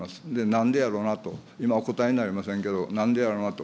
なんでやろなと、今、お答えになりませんけど、なんでやろなと。